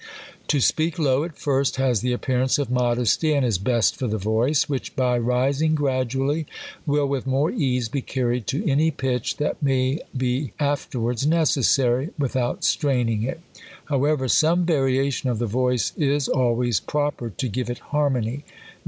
To speak low at first has the appearance of modesty, and is best for the voice ; which, by rising gradually, will with more ease be carried to any pitch that may be afterwards necessary, without straining it. How ever, some variation of the voice is always proper to give it harmony.